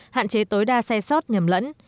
hạn chế tối đa xe sót nhầm lẫn